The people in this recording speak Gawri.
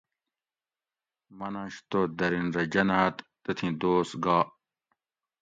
مننش تو دھرین رہ جناۤت تتھی دوس گا